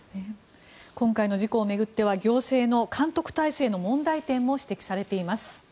今回の事故を巡っては行政の監督体制の問題点も指摘されています。